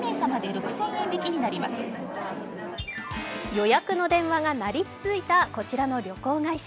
予約の電話が鳴り続いたこちらの旅行会社。